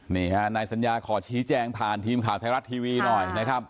นี่ฮะนายสัญญาขอชี้แจงผ่านทีมข่าวไทยรัฐทีวีหน่อยนะครับ